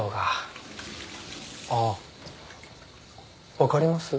分かります？